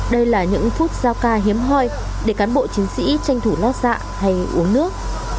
đây là những phút gieo ca hiếm hoi để cán bộ chiến sĩ tranh thủ lót dạ hay uống nước